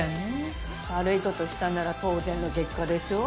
悪い事したなら当然の結果でしょ。